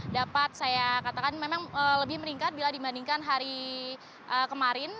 dapat saya katakan memang lebih meningkat bila dibandingkan hari kemarin